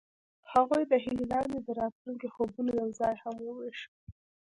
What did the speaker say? هغوی د هیلې لاندې د راتلونکي خوبونه یوځای هم وویشل.